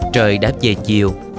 trời đáp về chiều